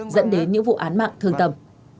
dẫn đến những vụ án mạng thường tầm